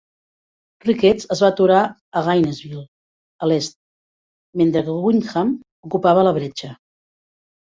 Ricketts es va aturar a Gainesville, a l'est, mentre que Wyndham ocupava la bretxa.